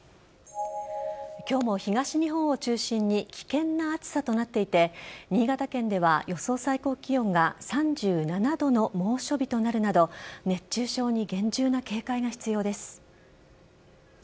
今日も東日本を中心に危険な暑さとなっていて新潟県では予想最高気温は３７度の猛暑日となるなど熱中症に厳重な警戒が必要です。